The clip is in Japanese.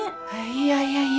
いやいやいや。